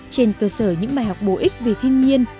trên cơ sở những bài học bổ ích vì thiên nhiên